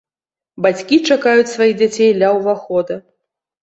Бацькі чакаюць сваіх дзяцей ля ўвахода.